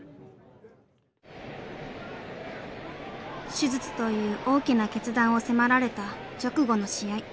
手術という大きな決断を迫られた直後の試合。